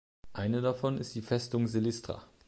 Eine davon ist die Festung Silistra.